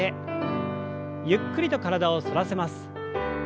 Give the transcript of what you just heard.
ゆっくりと体を反らせます。